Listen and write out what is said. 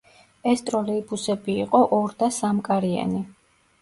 ეს ტროლეიბუსები იყო ორ და სამკარიანი.